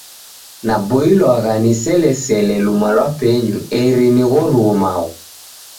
Naboilwagha niselesele luma lwa penyu eri nighoruo maghu.